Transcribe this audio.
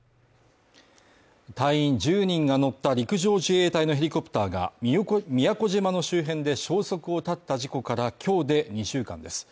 隊員１０人が乗った陸上自衛隊のヘリコプターが宮古島の周辺で消息を絶った事故から今日で２週間です。